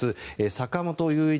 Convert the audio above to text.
坂本雄一